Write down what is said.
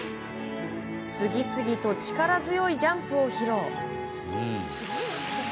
次々と力強いジャンプを披露。